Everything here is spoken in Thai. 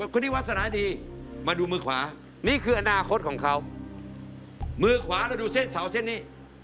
คนนี้วาสนาดีมาดูมือขวามือขวาแล้วดูเส้นเสาเส้นนี้